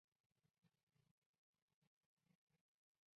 不愿意不得不